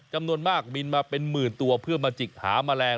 จำนวนมากบินมาเป็นหมื่นตัวเพื่อมาจิกหาแมลง